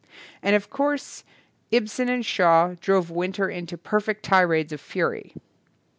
And of course Ibsen and Shaw drove Winter into per fect tirades of fury.